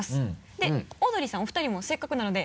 でオードリーさんお二人もせっかくなので。